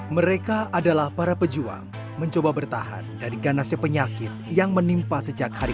mereka adalah para pejuang mencoba bertahan dari ganasnya penyakit yang menimpa sejak hari